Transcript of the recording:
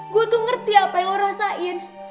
gue tuh ngerti apa yang lo rasain